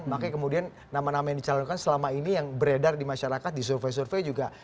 makanya kemudian nama nama yang dicalonkan selama ini yang beredar di masyarakat di survei survei juga